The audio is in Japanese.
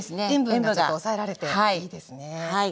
塩分がちょっと抑えられていいですね。